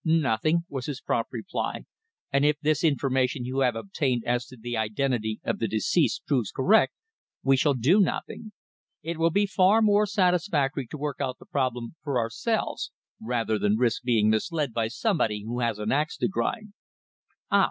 "Nothing," was his prompt reply. "And if this information you have obtained as to the identity of the deceased proves correct, we shall do nothing. It will be far more satisfactory to work out the problem for ourselves, rather than risk being misled by somebody who has an axe to grind." "Ah!